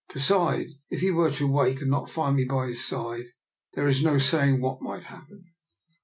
Besides, if he were to wake and not find me by his side, there is no saying what might happen.